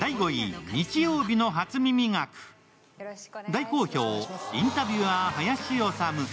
大好評インタビュアー林修。